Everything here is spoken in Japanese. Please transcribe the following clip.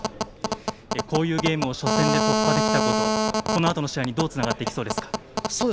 こういうゲームを初戦で突破できたことどうつながっていこうですか。